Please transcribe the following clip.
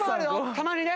たまにね。